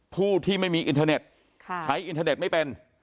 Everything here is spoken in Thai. ผู้ที่ไม่มีอินเทอร์เน็ตใช้อินเทอร์เน็ตไม่เป็น